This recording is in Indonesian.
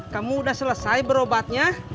kamu udah selesai berobatnya